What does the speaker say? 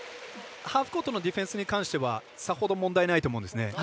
ハーフコートのディフェンスに関してはさほど問題ないと思うんですね。